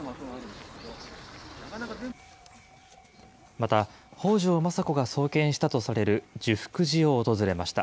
また、北条政子が創建したとされる寿福寺を訪れました。